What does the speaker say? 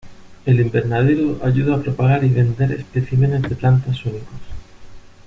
El invernadero ayuda a propagar y a vender especímenes de plantas únicos.